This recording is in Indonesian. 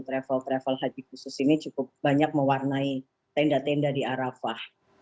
travel travel haji khusus ini cukup banyak mewarnai tenda tenda di arafah